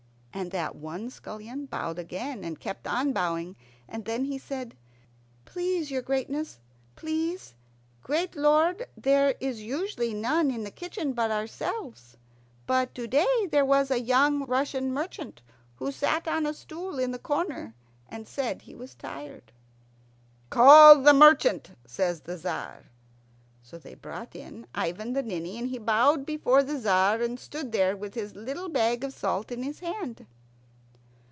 And that one scullion bowed again, and kept on bowing, and then he said, "Please, your greatness, please, great lord, there is usually none in the kitchen but ourselves; but to day there was a young Russian merchant, who sat on a stool in the corner and said he was tired." "Call the merchant," says the Tzar. So they brought in Ivan the Ninny, and he bowed before the Tzar, and stood there with his little bag of salt in his hand.